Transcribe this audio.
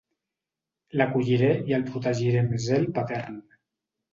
L'acolliré i el protegiré amb zel patern.